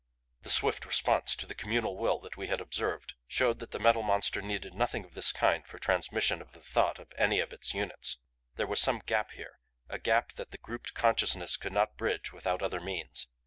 The swift response to the communal will that we had observed showed that the Metal Monster needed nothing of this kind for transmission of the thought of any of its units. There was some gap here a gap that the grouped consciousness could not bridge without other means.